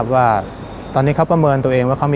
ว่าตอนนี้เขาประเมินตัวเองว่าเขามี